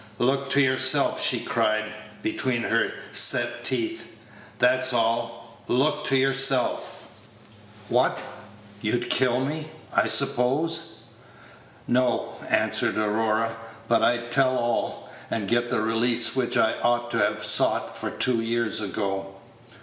"Look to yourself!" she cried, between her set teeth; "that's all. Look to yourself!" "What! you'd kill me, I suppose?" "No," answered Aurora; "but I'd tell all, and get the release which I ought to have sought for two years ago."